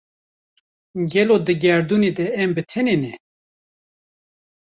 Gelo di gerdûnê de em bi tenê ne?